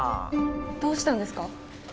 どうしたんですか？